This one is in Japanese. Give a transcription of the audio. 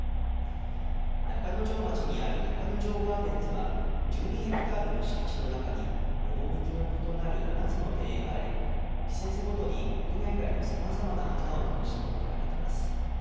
中之条町にある中之条ガーデンズは、１２ヘクタールの敷地の中に、趣の異なる７つの庭園があり、季節ごとに国内外のさまざまな花を楽しむことができます。